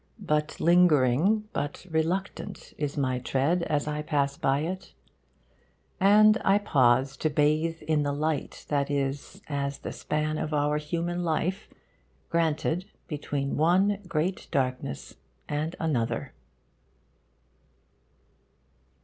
But lingering, but reluctant, is my tread as I pass by it; and I pause to bathe in the light that is as the span of our human life, granted between one great darkness and another.